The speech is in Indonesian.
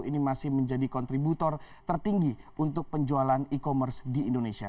ini masih menjadi kontributor tertinggi untuk penjualan e commerce di indonesia